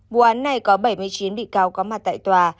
vụ án này có bảy mươi chín bị cáo có mặt tại tòa